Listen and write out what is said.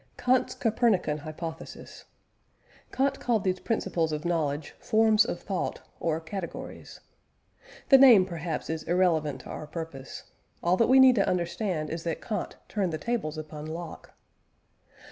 KANT'S COPERNICAN HYPOTHESIS. Kant called these principles of knowledge, forms of thought or categories. The name, perhaps, is irrelevant to our purpose; all that we need to understand is that Kant turned the tables upon Locke.